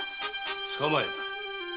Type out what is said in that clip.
捕まえた。